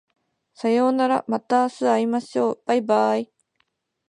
さようならまた明日会いましょう baibai